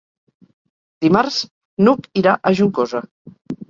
Dimarts n'Hug irà a Juncosa.